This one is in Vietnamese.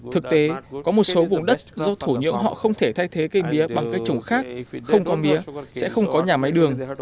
thực tế có một số vùng đất do thổ nhưỡng họ không thể thay thế cây mía bằng cách trồng khác không có mía sẽ không có nhà máy đường